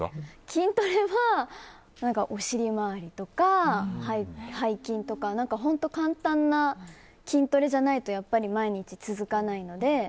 筋トレは、お尻周りとか背筋とか本当簡単な筋トレじゃないと毎日続かないので。